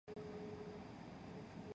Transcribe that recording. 南丰胡同内过去有许多名人旧居。